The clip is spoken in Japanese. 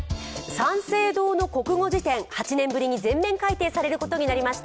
三省堂の国語辞典、８年ぶりに全面改訂されることになりました。